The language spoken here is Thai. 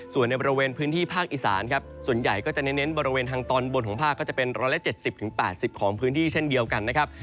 ส่วนในบริเวณพื้นที่ภาคอีสานครับส่วนใหญ่ก็จะเน้นบริเวณทางตอนบนของภาคก็จะเป็น๑๗๐๘๐ของพื้นที่เช่นเดียวกันนะครับ